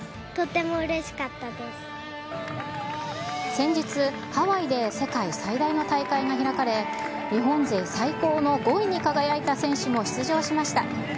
先日、ハワイで世界最大の大会が開かれ、日本勢最高の５位に輝いた選手も出場しました。